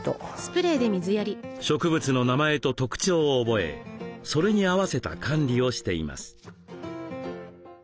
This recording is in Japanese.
植物の名前と特徴を覚えそれに合わせた管理をしています。